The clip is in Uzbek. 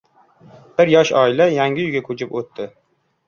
Bir yosh oila yangi uyga koʻchib oʻtdi.